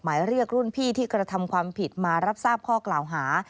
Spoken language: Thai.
หมายเรียกรุ่นพี่ที่กระทำความผิดมารับทราบข้อกล่าวหา